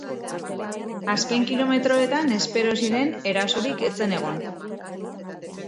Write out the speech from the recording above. Azken kilometroetan espero ziren erasorik ez zen egon.